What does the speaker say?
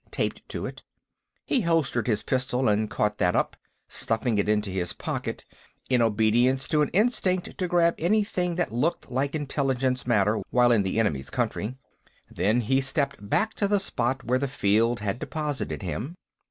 _ taped to it. He holstered his pistol and caught that up, stuffing it into his pocket, in obedience to an instinct to grab anything that looked like intelligence matter while in the enemy's country. Then he stepped back to the spot where the field had deposited him.